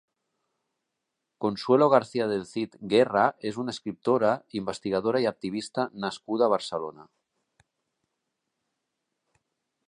Consuelo García del Cid Guerra és una escriptora, investigadora i activista nascuda a Barcelona.